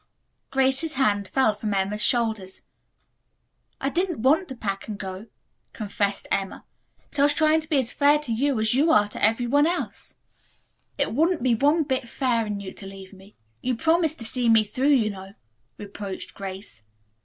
Grace's hands fell from Emma's shoulders. "I didn't want to pack and go," confessed Emma, "but I was trying to be as fair to you as you are to every one else." "It wouldn't be one bit fair in you to leave me. You promised to see me through, you know," reproached Grace.